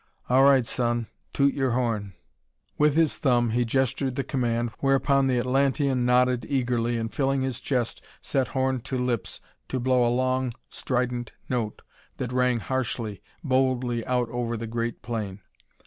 All right, son, toot your horn." With his thumb be gestured the command, whereupon the Atlantean nodded eagerly and, filling his chest, set horn to lips to blow a long, strident note that rang harshly, boldly out over the great plain.